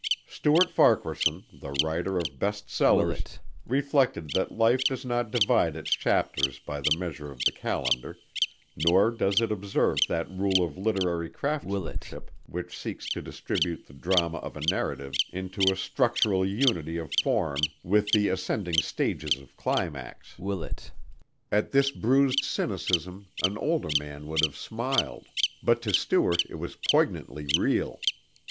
Stuart Farquaharson, the writer of best sellers, reflected that Life does not divide its chapters by the measure of the calendar, nor does it observe that rule of literary craftsmanship which seeks to distribute the drama of a narrative into a structural unity of form with the ascending stages of climax. At this bruised cynicism an older man would have smiled, but to Stuart it was poignantly real.